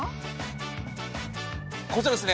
こちらですね。